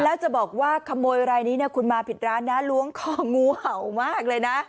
แล้วจะบอกว่าขโมยรายนี้คุณมาผิดร้านนะล้วงคองูเห่ามากเลยนะ